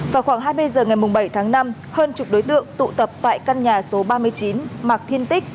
vào khoảng hai mươi h ngày bảy tháng năm hơn chục đối tượng tụ tập tại căn nhà số ba mươi chín mạc thiên tích